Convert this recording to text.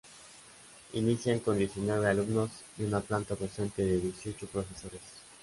Inician con diecinueve alumnos y una planta docente de dieciocho profesores.